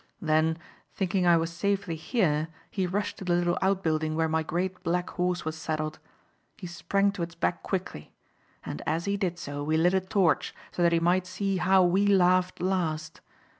"Then, thinking I was safely here he rushed to the little outbuilding where my great black horse was saddled. He sprang to its back quickly. And as he did so we lit a torch so that he might see how we laughed last.